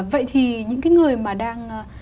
vậy thì những cái người mà đang